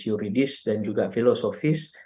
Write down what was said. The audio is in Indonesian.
juridis dan juga filosofis